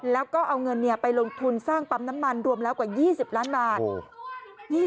แล้วก็เอาเงินไปลงทุนสร้างปั๊มน้ำมันรวมแล้วกว่า๒๐ล้านบาท